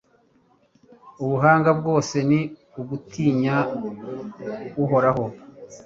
ubuhanga bwose ni ugutinya uhoraho